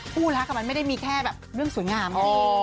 คู่รักกับมันไม่ได้มีแค่แบบเรื่องสวยงามอย่างนี้